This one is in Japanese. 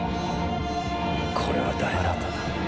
これは誰なんだ？